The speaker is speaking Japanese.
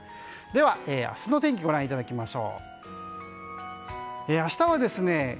では明日の天気ご覧いただきます。